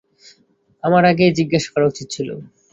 আমার আগেই জিজ্ঞেস করা উচিত ছিল।